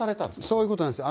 そういうことなんです。